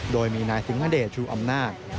โดยมีนายสิงหเดชชูอำนาจ